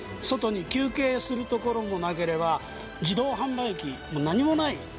外に休憩するところもなければ自動販売機も何もない。